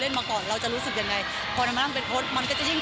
เล่นมาก่อนเราจะรู้สึกยังไงพอน้ำน้ำเป็นมันก็จะยิ่ง